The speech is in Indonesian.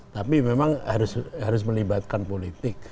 tapi memang harus melibatkan politik